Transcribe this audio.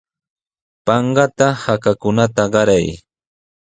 Panqata hakakunata qaray.